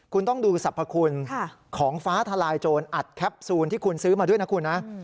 คุณต้องดูสรรพคุณของฟ้าทลายโจรอัดแคปซูลที่คุณซื้อมาด้วยนะคุณนะ